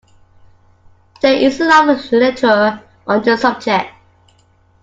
There is a lot of Literature on this subject.